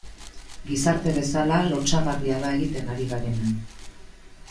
Gizarte bezala lotsagarria da egiten ari garena.